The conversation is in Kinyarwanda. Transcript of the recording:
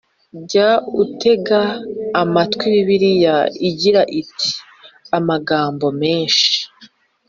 Jya utega amatwi bibiliya igira iti amagambo menshi